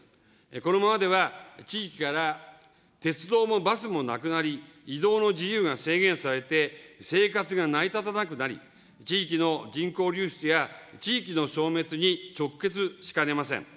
このままでは地域から鉄道もバスもなくなり、移動の自由が制限されて、生活が成り立たなくなり、地域の人口流出や、地域の消滅に直結しかねません。